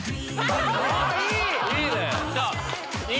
いいね！